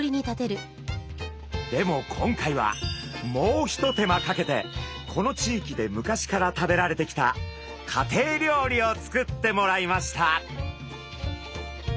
でも今回はもう一手間かけてこの地域で昔から食べられてきた家庭料理を作ってもらいました。